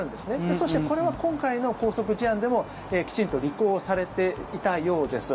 そしてこれは今回の拘束事案でもきちんと履行されていたようです。